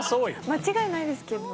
間違いないですけど。